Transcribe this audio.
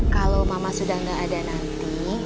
kalo mama sudah nggak ada nanti